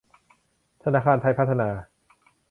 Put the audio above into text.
ธนาคารไทยพัฒนา